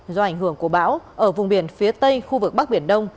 do ảnh hưởng của bão ở vùng biển phía tây khu vực bắc biển đông